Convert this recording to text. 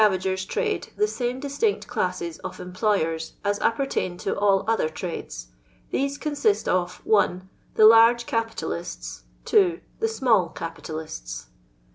i;;ert* trnde the tame dit tinct classes of employers at appcrtaiu to all other trades ; tliese consist of :— 1. The large capitalists. 2. The iQiall capitalists.